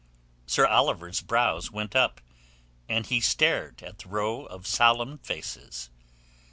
Sir Oliver's brows went up, and he stared at the row of solemn faces.